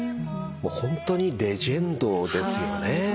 ホントにレジェンドですよね。